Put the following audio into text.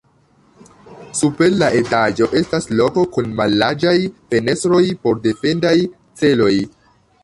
Super la etaĝo estas loko kun mallarĝaj fenestroj por defendaj celoj.